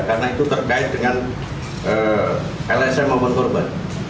karena itu terkait dengan lsm maupun korban